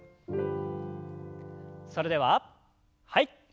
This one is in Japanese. それでははい。